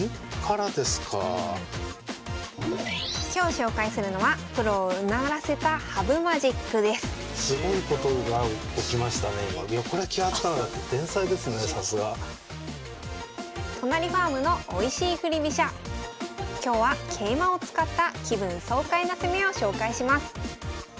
今日紹介するのはプロをうならせた羽生マジックです都成ファームのおいしい振り飛車。今日は桂馬を使った気分爽快な攻めを紹介します